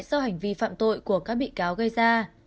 do hành vi phạm tội của các bị cáo gây ra